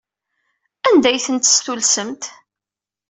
Anda ay tent-testullsemt?